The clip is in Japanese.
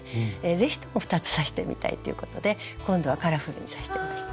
是非とも２つ刺してみたいということで今度はカラフルに刺してみました。